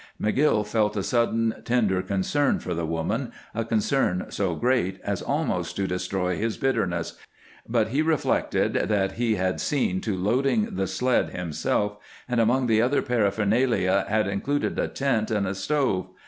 McGill felt a sudden tender concern for the woman, a concern so great as almost to destroy his bitterness, but he reflected that he had seen to loading the sled himself, and among the other paraphernalia had included a tent and a stove.